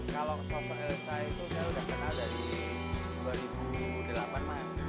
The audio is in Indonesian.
kalau sosok elsa itu saya sudah kenal dari dua ribu delapan mas